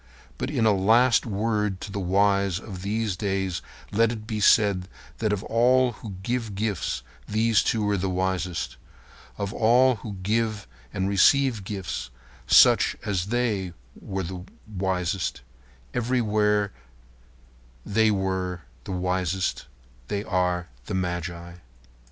But in a last word to the wise of these days let it be said that of all who give gifts these two were the wisest. Of all who give and receive gifts, such as they are wisest. Everywhere they are wisest. They are the magi.